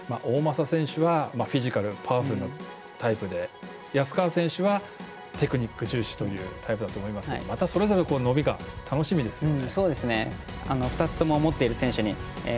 大政涼選手はフィジカルパワフルなタイプで安川潤選手はテクニック重視のタイプということでまた、それぞれの伸びが楽しみですね。